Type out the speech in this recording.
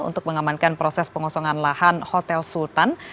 untuk mengamankan proses pengosongan lahan hotel sultan